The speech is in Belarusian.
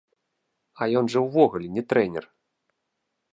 А ён жа ўвогуле не трэнер!